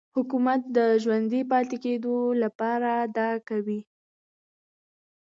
حکومت د ژوندي پاتې کېدو لپاره دا کوي.